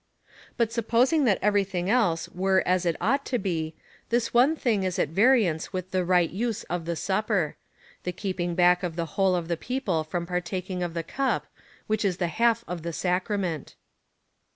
But, supposing that everything else were as it ought to be, this one thing is at variance with the right use of the Supper — the keeping back of the Avhole of the people from partaking of the cup, which is the half of the Sacrament.